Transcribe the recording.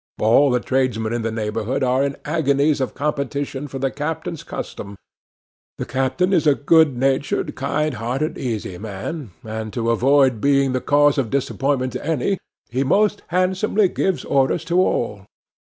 All the tradesmen in the neighbourhood are in agonies of competition for the captain's custom; the captain is a good natured, kind hearted, easy man, and, to avoid being the cause of disappointment to any, he most handsomely gives orders to all.